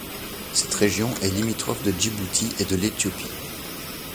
Cette région est limitrophe de Djibouti et de l'Éthiopie.